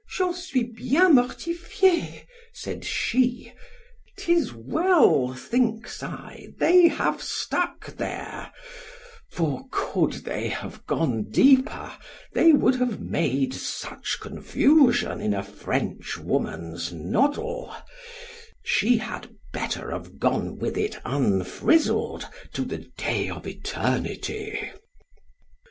——J'en suis bien mortifiée, said she——'tis well, thinks I, they have stuck there—for could they have gone deeper, they would have made such confusion in a French woman's noddle—She had better have gone with it unfrizled, to the day of eternity.